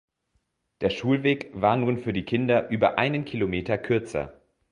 Der Schulweg war nun für die Kinder über einen Kilometer kürzer.